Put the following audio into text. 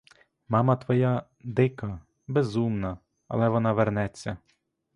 Мама твоя — дика, безумна, але вона вернеться.